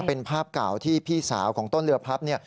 เป็นภาพเก่าที่พี่สาวของต้นเรือพับ